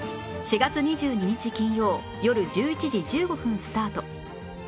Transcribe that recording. ４月２２日金曜よる１１時１５分スタート